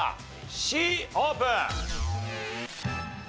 Ｃオープン！